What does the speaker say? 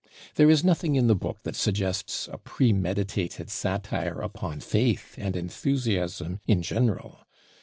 There is nothing in the book that suggests a premeditated satire upon faith and enthusiasm in general.